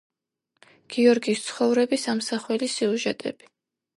გიორგის ცხოვრების ამსახველი სიუჟეტები.